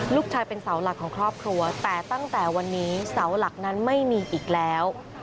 ลูกชายเป็นเสาหลักของครอบครัวแต่ตั้งแต่วันนี้เสาหลักนั้นไม่มีอีกแล้ว